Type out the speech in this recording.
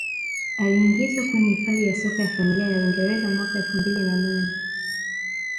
Aliingizwa kwenye Hifadhi ya Soka ya Familia ya Uingereza mwaka elfu mbili na nane